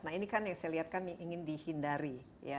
nah ini kan yang saya lihat kan ingin dihindari